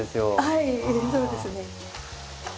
はいそうですね。